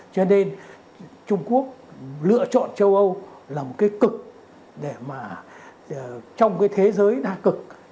cho nên trung quốc lựa chọn châu âu là một cái cực trong cái thế giới đa cực